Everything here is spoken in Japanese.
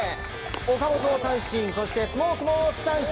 岡本を三振そしてスモークも三振。